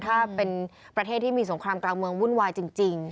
ถ้าเป็นประเทศที่มีสงครามกลางเมืองวุ่นวายจริง